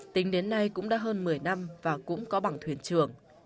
tính đến nay cũng đã hơn một mươi năm và cũng có bằng thuyền trường